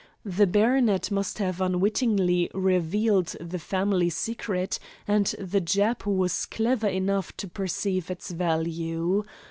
The baronet must have unwittingly revealed the family secret, and the Jap was clever enough to perceive its value.